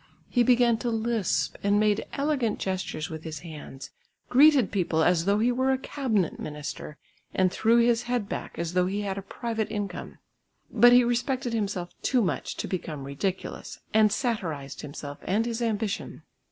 He began to lisp and made elegant gestures with his hands, greeted people as though he were a cabinet minister, and threw his head back as though he had a private income. But he respected himself too much to become ridiculous and satirised himself and his ambition.